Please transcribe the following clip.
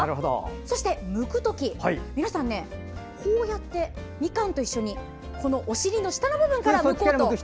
そしてむく時、皆さんみかんと一緒でお尻の下の部分からむこうと。